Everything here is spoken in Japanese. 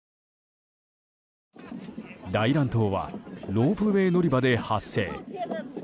大乱闘はロープウェー乗り場で発生。